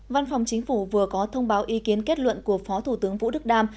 văn phòng chính phủ vừa có thông báo ý kiến kết luận của phó thủ tướng vũ đức đam